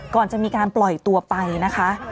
ก่อนจะมีการปล่อยตัวไปนะคะ